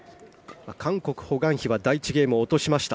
韓国ホ・グァンヒは第１ゲームを落としました。